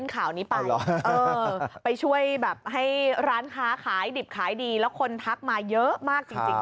เยอะมากจริงเลยนะคะ